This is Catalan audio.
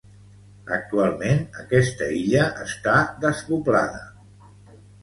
Actualment aquesta illa està despoblada.